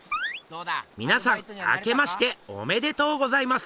みなさんあけましておめでとうございます。